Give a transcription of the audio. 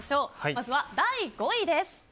まずは第５位です。